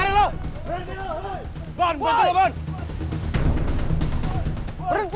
dul tangguhin gua dul